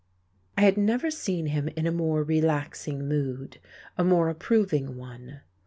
I had never seen him in a more relaxing mood, a more approving one.